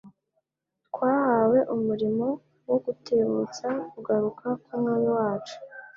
twahawe umurimo wo gutebutsa kugaruka k'Umwami wacu.